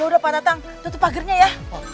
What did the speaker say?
ya udah pak datang tutup pagernya ya